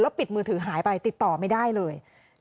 ปิดมือถือหายไปติดต่อไม่ได้เลย